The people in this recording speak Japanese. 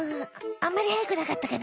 あんまりはやくなかったかな。